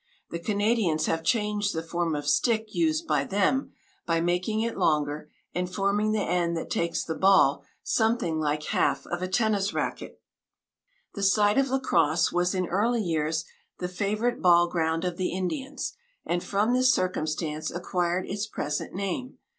The Canadians have changed the form of stick used by them, by making it longer, and forming the end that takes the ball something like half of a tennis racquette. The site of La Crosse was in early years the favorite ball ground of the Indians, and from this circumstance acquired its present name.